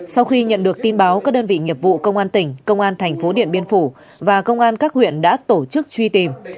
sau khi nhận được tin báo các đơn vị nghiệp vụ công an tỉnh công an thành phố điện biên phủ và công an các huyện đã tổ chức truy tìm